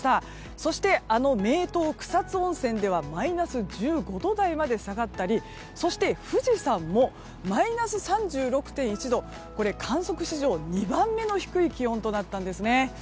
そして、あの名湯・草津温泉ではマイナス１５度台まで下がったりそして富士山もマイナス３６．１度とこれ、観測史上２番目の低い気温となったんですね。